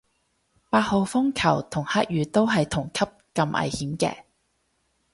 八號風球同黑雨都係同級咁危險嘅